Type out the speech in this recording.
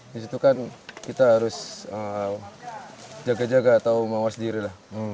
di situ kan kita harus jaga jaga atau mawas diri lah